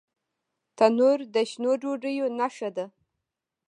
تنور د شنو ډوډیو نښه ده